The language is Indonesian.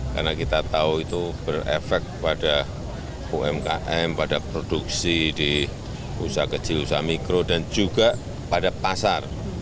karena kita tahu itu berefek pada umkm pada produksi di usaha kecil usaha mikro dan juga pada pasar